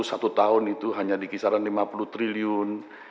satu tahun itu hanya di kisaran lima puluh triliun